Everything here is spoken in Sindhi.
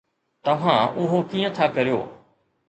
توهان اهو ڪيئن ٿا ڪريو؟